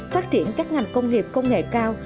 phát triển các ngành công nghiệp công nghệ cao